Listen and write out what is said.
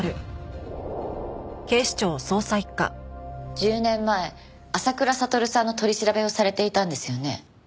１０年前浅倉悟さんの取り調べをされていたんですよね？